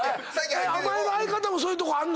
お前の相方そういうとこある？